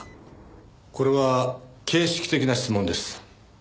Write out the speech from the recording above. これは形式的な質問です。